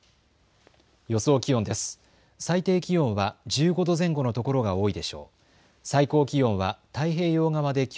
予想気温です。